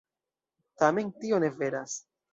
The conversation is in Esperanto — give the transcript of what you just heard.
Tamen tio ne veras.